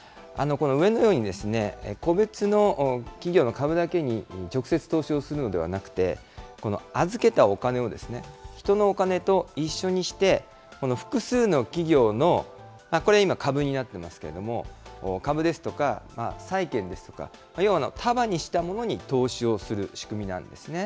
上のように個別の企業の株だけに直接投資をするのではなくて、預けたお金を人のお金と一緒にして、複数の企業の、これ今、株になってますけれども、株ですとか、債券ですとか、要は束にしたものに投資をする仕組みなんですね。